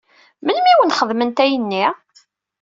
Melmi i wen-xedment ayenni?